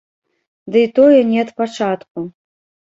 Дый тое не ад пачатку.